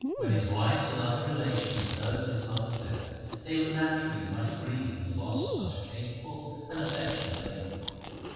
When his wives and other relations heard of his mother's death, they were naturally much grieved for the loss of such a capable and affectionate lady.